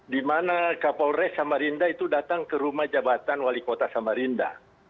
di mana kapolres samarinda itu datang ke rumah jabatan wali kota samarinda